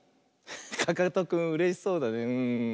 かかとくんうれしそうだねうん。